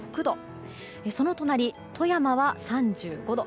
その隣、富山は３５度。